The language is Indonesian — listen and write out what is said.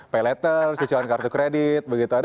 pay letter cicilan kartu kredit begitu ada